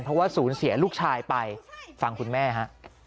เพราะว่าศูนย์เสียลูกชายไปฟังคุณแม่ฮะ